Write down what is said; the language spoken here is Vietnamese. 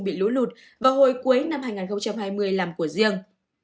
bị lũ lụt vào hồi cuối năm hai nghìn hai mươi làm của riêng